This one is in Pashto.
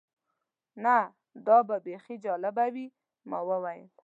نه، او دا به بیخي جالبه وي. ما وویل.